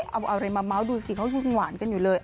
เอาอะไรมาเมาส์ดูสิเขายังหวานกันอยู่เลย